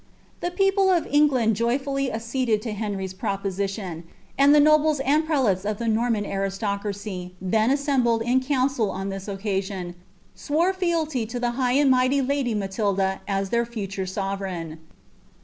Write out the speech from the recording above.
The people of England joyfully acceded to Henry^s proposition ; nd the nobles and prelates of the Norman aristociacy, then BMembleil » council on this occasion, swore feajty to ibe high and mighty lady K* tilda as their future sovereign.